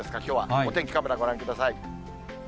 お天気カメラご覧ください。